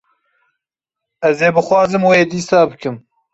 Ez ê bixwazim wê dîsa bikim.